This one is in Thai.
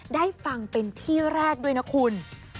ได้ฟังเป็นที่แรกด้วยนะคุณ